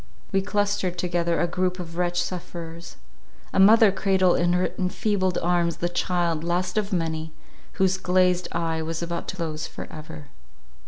We clustered together a group of wretched sufferers. A mother cradled in her enfeebled arms the child, last of many, whose glazed eye was about to close for ever.